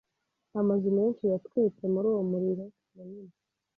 Amazu menshi yatwitse muri uwo muriro munini.